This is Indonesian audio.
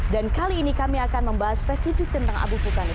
dan kali ini kami akan membahas spesifik tentang abu vulkanik